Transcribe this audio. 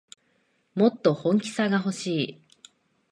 もっと本気さがほしい